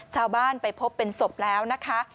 ชาวบ้านไปพบเป็นศพแล้วนะคะ